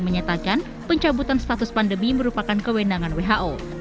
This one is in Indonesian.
menyatakan pencabutan status pandemi merupakan kewenangan who